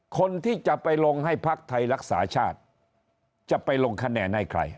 คนที่จะไปลงให้พักไทยรักษาชาติจะไปลงคะแนนให้ใคร